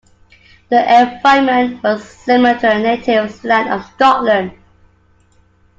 The environment was similar to their native land of Scotland.